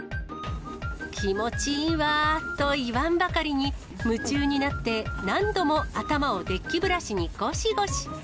気持ちいいわと言わんばかりに、夢中になって、何度も頭をデッキブラシにごしごし。